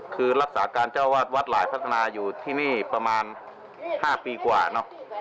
คือรักษาการเจ้าวาดวัดหลายพัฒนาอยู่ที่นี่ประมาณ๕ปีกว่าเนอะ